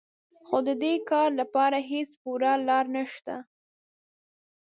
خو د دې کار لپاره هېڅ پوره لاره نهشته